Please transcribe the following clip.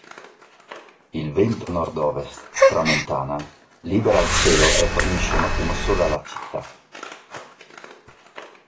Il vento nord-ovest "tramontana" libera il cielo e fornisce un ottimo sole alla città.